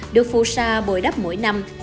được phù sa bồi đắp mỗi năm